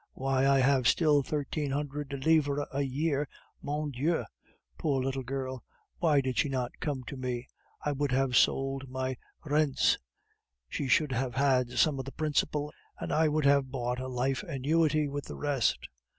"Why, I have still thirteen hundred livres a year! Mon Dieu! Poor little girl! why did she not come to me? I would have sold my rentes; she should have had some of the principal, and I would have bought a life annuity with the rest.